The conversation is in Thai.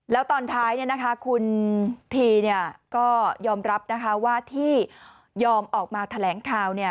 แล้วตอนท้ายคุณทีก็ยอมรับว่าที่ยอมออกมาแถลงข่าว